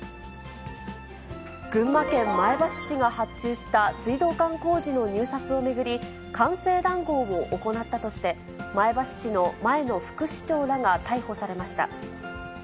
群馬県前橋市が発注した水道管工事の入札を巡り、官製談合を行ったとして、前橋市の前の副市長らが逮捕されました。